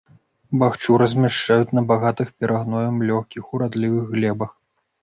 Бахчу размяшчаюць на багатых перагноем лёгкіх урадлівых глебах.